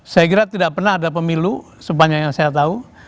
saya kira tidak pernah ada pemilu sebanyak yang saya tahu